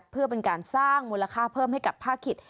เพื่อเป็นการสร้างมูลค่าเพิ่มให้กับภาคขิต